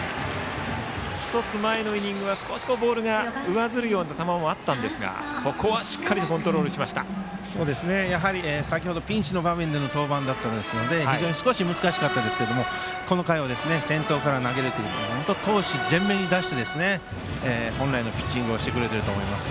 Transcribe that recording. １つ前のイニングはボールが上ずるような球もあったんですがここはしっかりと先程はピンチの場面での登板でしたから少し難しかったんですけどこの回は先頭から投げるということで闘志前面に出して本来のピッチングをしてくれていると思います。